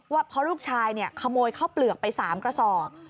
ว่าเพราะลูกชายขโมยข้าวเปลือกไป๓กระสอบ